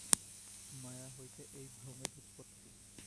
মায়া হইতে এই ভ্রমের উৎপত্তি।